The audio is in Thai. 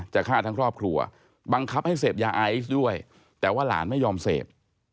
จะฆ่าทั้งครอบครัวบังคับให้เสพยาไอซ์ด้วยแต่ว่าหลานไม่ยอมเสพ